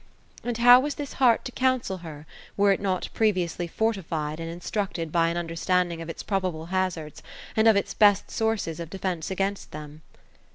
And how was this heart to counsel her, were it not previously fortified and instructed by an understanding of its probable hazards, and of its best sources of defence against them